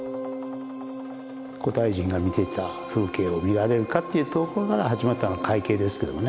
古代人が見ていた風景を見られるかというところから始まったのが「海景」ですけどもね。